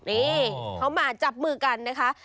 นี่เขามาจับมือกันนะคะ